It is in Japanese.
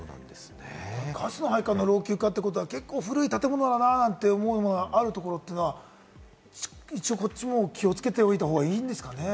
ガスの配管の老朽化ということは古い建物だなと思うのがあるところというのは、一応こちらも気をつけておいた方がいいんですかね？